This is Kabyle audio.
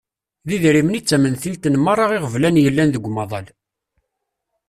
D idrimen i d tamentilt n merra iɣeblan yellan deg umaḍal.